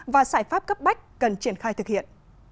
và giải pháp cấp bách cần triển khai thực hiện